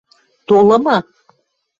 – Толыма.